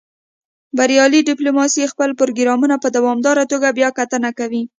بریالۍ ډیپلوماسي خپل پروګرامونه په دوامداره توګه بیاکتنه کوي